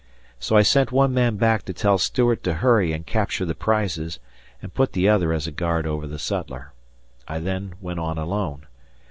So I sent one man back to tell Stuart to hurry and capture the prizes and put the other as a guard over the sutler. I then went on alone.